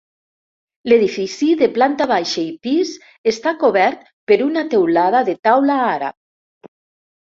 L'edifici, de planta baixa i pis, està cobert per una teulada de taula àrab.